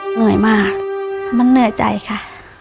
เหนื่อยมากมันเหนื่อยใจค่ะ